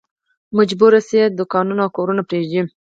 مجبور شي دوکانونه او کورونه پرېږدي.